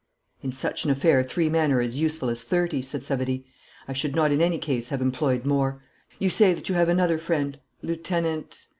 'In such an affair three men are as useful as thirty,' said Savary. 'I should not in any case have employed more. You say that you have another friend, Lieutenant